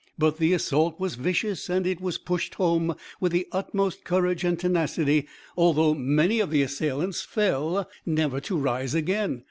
But the assault was vicious and it was pushed home with the utmost courage and tenacity, although many of the assailants fell never to rise again.